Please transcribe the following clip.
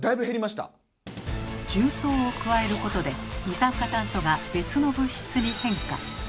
重曹を加えることで二酸化炭素が別の物質に変化。